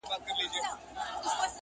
دا په وينو روزل سوی چمن زما دی.!